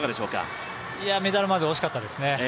メダルまで惜しかったですね。